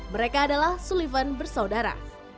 mereka adalah sullivan bersaudara